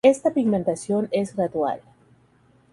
Esta pigmentación es gradual.